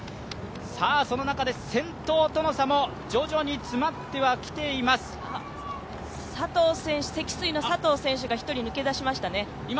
さあ、その中で先頭との差も徐々に詰まってはきています。積水の佐藤選手が１人抜け出しましたね。